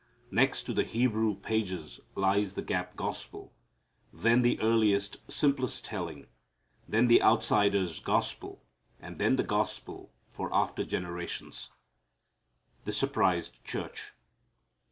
Next to the Hebrew pages lies the gap gospel, then the earliest, simplest telling, then the outsiders' gospel, and then the gospel for after generations. The Surprised Church.